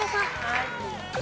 はい。